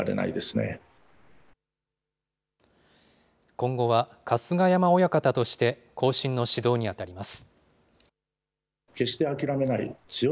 今後は春日山親方として後進の指導に当たります。